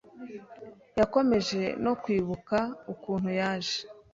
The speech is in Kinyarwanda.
Yakomeje no kwibuka ukuntu yaje